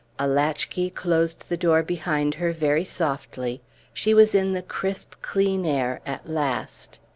A latchkey closed the door behind her very softly; she was in the crisp, clean air at last.